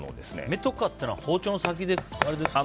目とかっていうのは包丁の先でですか？